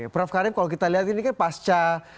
prof karim kalau kita lihat ini kan pasca